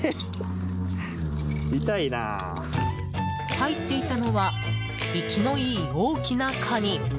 入っていたのは生きのいい大きなカニ。